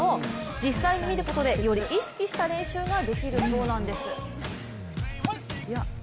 実際に見ることでより意識した練習ができるそうなんです。